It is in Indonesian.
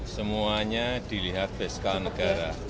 semuanya dilihat fiskal negara